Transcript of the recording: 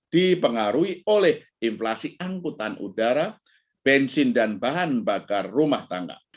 dipengaruhi oleh inflasi angkutan udara bensin dan bahan bakar rumah tangga